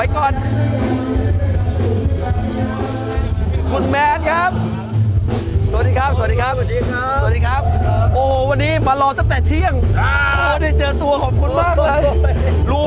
แค่นี้ด้วยชุดคนร้อน